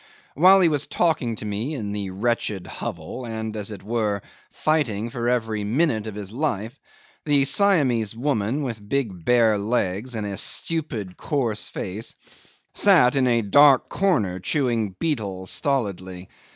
While he was talking to me in the wretched hovel, and, as it were, fighting for every minute of his life, the Siamese woman, with big bare legs and a stupid coarse face, sat in a dark corner chewing betel stolidly.